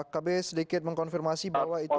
kb sedikit mengkonfirmasi bahwa itu